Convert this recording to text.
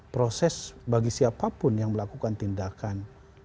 proses bagi siapapun yang melakukan tindakan